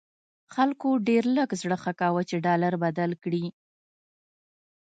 خلکو ډېر لږ زړه ښه کاوه چې ډالر بدل کړي.